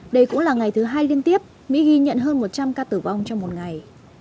đây cũng là ngày thứ hai liên tiếp mỹ ghi nhận hơn một trăm linh ca tử vong trong một ngày